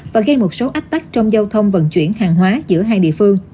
và gây một số ách tắc trong giao thông vận chuyển hàng hóa giữa hai địa phương